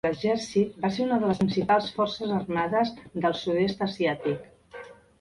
L'exèrcit va ser una de les principals forces armades del Sud-est Asiàtic.